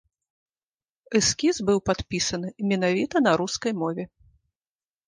Эскіз быў падпісаны менавіта на рускай мове.